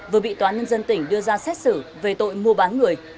vừa bị tòa nhân dân tỉnh đưa ra xét xử về tội mua bán người